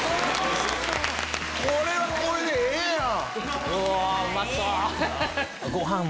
これはこれでええやん！